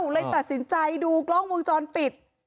เลยตัดสินใจดูกล้องวงจรปิด